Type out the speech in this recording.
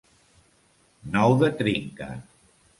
Nou de trinca.